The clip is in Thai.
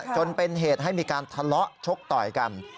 จนเป็นเหตุให้มีการทะเลาะชกต่อยกัน